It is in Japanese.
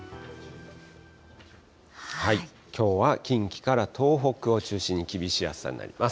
きょうは近畿から東北を中心に厳しい暑さになります。